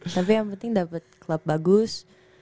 tapi yang penting dapat klub bagus